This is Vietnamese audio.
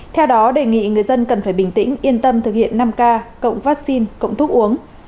theo đó đề nghị người dân cần phải bình tĩnh yên tâm thực hiện năm k cộng vaccine cộng thuốc uống